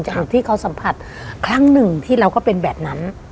จุดที่เขาสัมผัสครั้งหนึ่งที่เราก็เป็นแบบนั้น